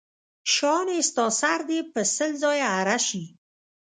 شانې ستا سر دې په سل ځایه اره شي.